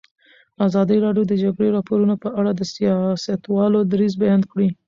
ازادي راډیو د د جګړې راپورونه په اړه د سیاستوالو دریځ بیان کړی.